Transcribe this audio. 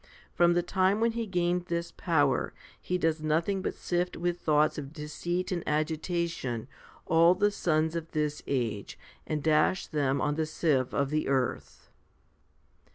From the time when he gained this power, he does nothing but sift with thoughts of deceit and agitation all the sons of this age, and dash them on the sieve of the earth.